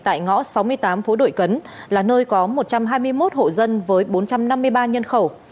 tại ngõ sáu mươi tám phố đội cấn là nơi có một trăm hai mươi một hộ dân với bốn trăm năm mươi ba nhân khẩu